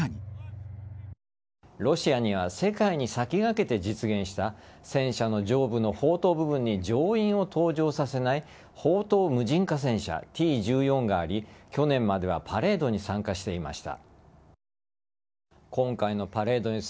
ロシアには世界に先駆けて実現した戦車の上部の砲塔部分に乗員を搭乗させない砲塔無人化戦車Ｔ‐１４があり去年まではパレードに参加していました。